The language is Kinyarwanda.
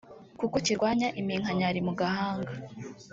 kuko kirwanya iminkanyari mu gahanga